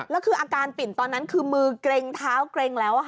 แล้วคืออาการปิ่นตอนนั้นคือมือเกร็งเท้าเกร็งแล้ว